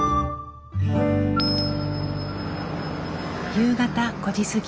夕方５時過ぎ。